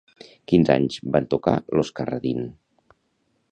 Quins anys van tocar Los Carradine?